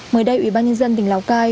mới đây ủy ban nhân dân tỉnh lào cai